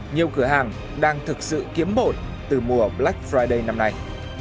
nhiều cửa hàng đang thực sự kiếm bội từ mùa black friday năm nay